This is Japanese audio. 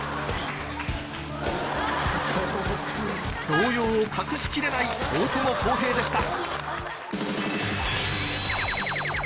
動揺を隠しきれない大友康平でした